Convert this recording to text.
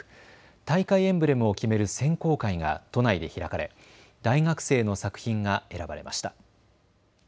大会エンブレムを決める選考会が都内で開かれ大学生の作品が選ばれました。